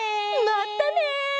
まったね！